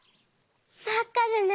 まっかでね。